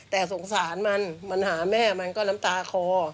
แต่สงสารมันมันหาแม่มันก็น้ำตาคอ